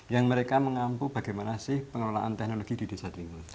yang mereka mengampu bagaimana sih pengelolaan teknologi di desa dringo